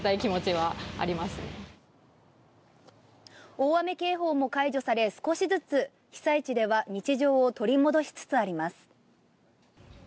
大雨警報も解除され少しずつ被災地では日常を取り戻しつつあります。